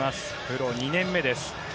プロ２年目です。